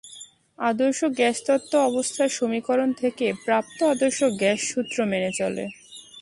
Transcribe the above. আদর্শ গ্যাস তত্ত্ব অবস্থার সমীকরণ থেকে প্রাপ্ত আদর্শ গ্যাস সূত্র মেনে চলে।